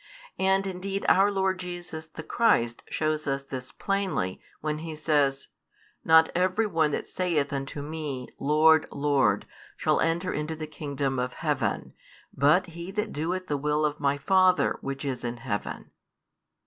And indeed our Lord Jesus the Christ shows us this plainly, when He says: Not every one that saith unto Me, Lord, Lord, shall enter into the kingdom of heaven; but he that doeth the will of My Father, Which is in heaven.